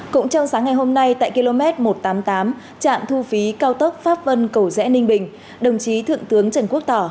cũng trong sáng ngày hôm nay tại km một trăm tám mươi tám trạm thu phí cao tốc pháp vân cầu rẽ ninh bình đồng chí thượng tướng trần quốc tỏ